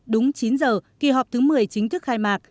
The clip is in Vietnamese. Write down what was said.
đúng chín giờ kỳ họp thứ một mươi chính thức khai mạc